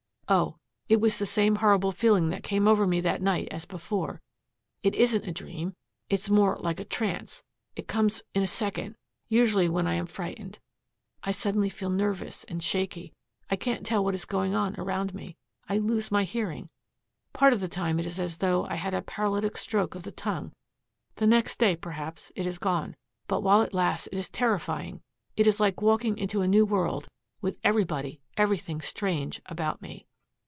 Oh, it was the same horrible feeling that came over me that night as before. It isn't a dream; it's more like a trance. It comes in a second usually when I am frightened. I suddenly feel nervous and shaky. I can't tell what is going on around me. I lose my hearing. Part of the time it is as though, I had a paralytic stroke of the tongue. The next day, perhaps, it is gone. But while it lasts it is terrifying. It's like walking into a new world, with everybody, everything strange about me."